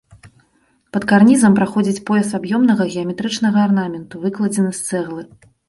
Пад карнізам праходзіць пояс аб'ёмнага геаметрычнага арнаменту, выкладзены з цэглы.